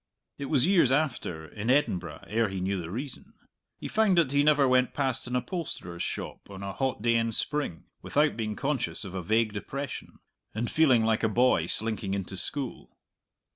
It was years after, in Edinburgh, ere he knew the reason; he found that he never went past an upholsterer's shop, on a hot day in spring, without being conscious of a vague depression, and feeling like a boy slinking into school.